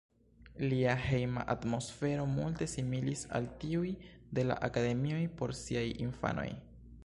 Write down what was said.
Lia hejma atmosfero multe similis al tiuj de la akademioj por siaj infanoj.